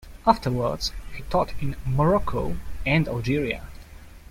Afterwards, he taught in Morocco and Algeria.